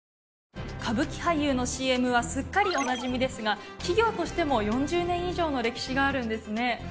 歌舞伎俳優のＣＭはすっかりおなじみですが企業としても４０年以上の歴史があるんですね。